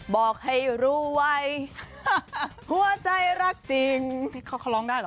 บอกให้รู้ไว้หัวใจรักจริง